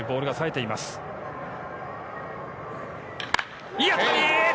いい当たり。